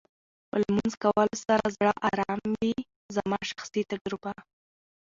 په لمونځ کولو سره زړه ارامه وې زما شخصي تجربه